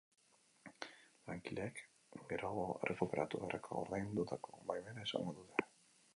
Langileek geroago errekuperatu beharreko ordaindutako baimena izango dute.